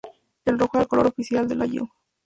El rojo era el color oficial del Ayllu.